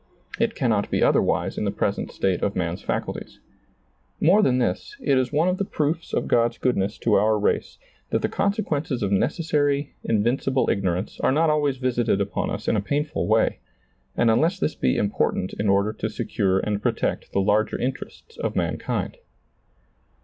It cannot be otherwise in the present state of man's faculties. More than this, it is one of the proofs of God's goodness to our race that the consequences of necessary, invincible igno rance are not always visited upon us in a painful way, and unless this be important in order to secure and protect the lai^er interests of man kind.